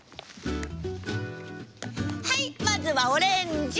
はいまずはオレンジ。